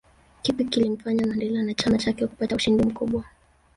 Kipi kilimfanya Mandela na chama chake kupata ushindi mkubwa